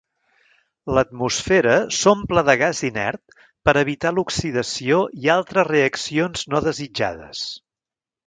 L'atmosfera s'omple de gas inert per evitar l'oxidació i altres reaccions no desitjades.